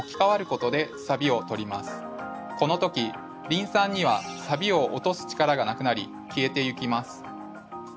この時リン酸にはサビを落とす力がなくなり消えていきます。